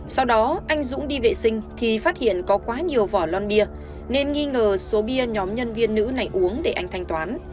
sau đó anh dũng đi vệ sinh thì phát hiện có quá nhiều vỏ lon bia nên nghi ngờ số bia nhóm nhân viên nữ này uống để anh thanh toán